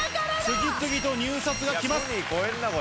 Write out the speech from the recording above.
次々と入札が来ます。